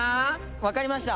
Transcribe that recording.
わかりました！